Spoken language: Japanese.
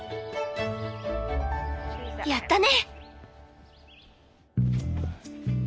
やったね！